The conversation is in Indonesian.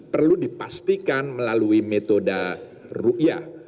perlu dipastikan melalui metode ru'yah